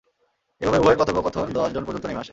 এভাবে উভয়ের কথোপকথন দশজন পর্যন্ত নেমে আসে।